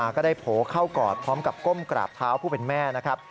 ก็ได้โผล่เข้ากอดพร้อมกับก้มกราบเท้าผู้เป็นแม่นะครับ